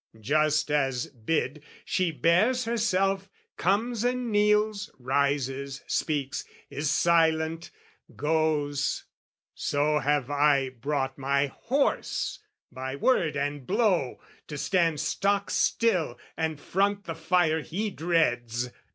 Just as bid, she bears herself, Comes and kneels, rises, speaks, is silent, goes: So have I brought my horse, by word and blow, To stand stock still and front the fire he dreads.